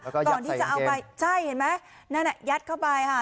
ก่อนที่จะเอาไปใช่เห็นไหมนั่นอ่ะยัดเข้าไปค่ะ